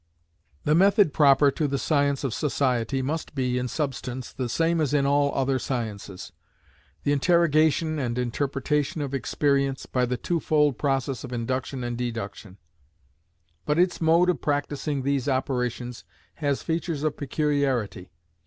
The Method proper to the Science of Society must be, in substance, the same as in all other sciences; the interrogation and interpretation of experience, by the twofold process of Induction and Deduction. But its mode of practising these operations has features of peculiarity.